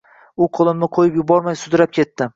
U qo‘limni qo‘yib yubormay, sudrab ketdi.